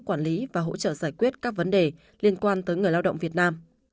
cơ quan đại diện quản lý và hỗ trợ giải quyết các vấn đề liên quan tới người lao động việt nam